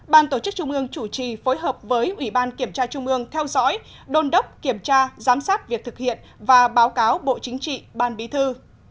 ba ban tổ chức trung ương chủ trì phối hợp với ủy ban kiểm tra trung ương theo dõi đôn đốc kiểm tra giám sát việc thực hiện và báo cáo bộ chính trị ban bí thư